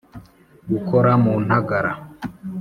Gukora mu ntagara